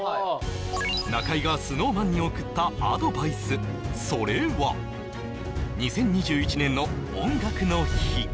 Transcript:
中居がＳｎｏｗＭａｎに送ったアドバイスそれは２０２１年の「音楽の日」